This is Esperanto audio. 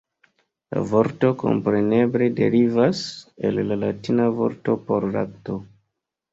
La vorto kompreneble derivas el la latina vorto por lakto.